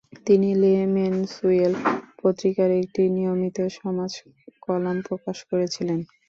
তিনি "Le Mensuel" পত্রিকার একটি নিয়মিত সমাজ কলাম প্রকাশ করেছিলেন।